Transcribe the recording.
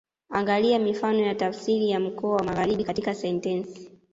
Angalia mifano ya tafsiri ya mkoa wa Magharibi katika sentensi